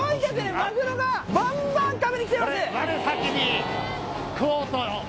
マグロがバンバン食べに来てます！